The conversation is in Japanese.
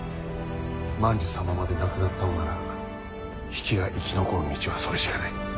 万寿様まで亡くなったのなら比企が生き残る道はそれしかない。